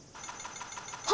あ！